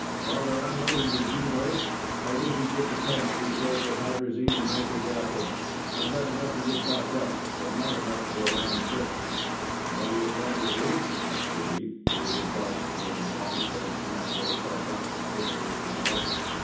While they're unloading the G boat, I wish you'd get the tanks refilled with hydrazine and nitric acid. I've got enough to get back up, but not enough for a round trip." "What do you plan to do?" asked Deveet. He was a dark skinned, long faced man with a sardonic twist to his mouth.